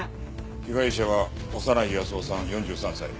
被害者は長内保男さん４３歳。